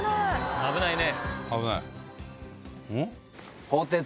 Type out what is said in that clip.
危ないね。